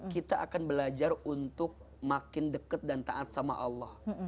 kita akan belajar untuk makin dekat dan taat sama allah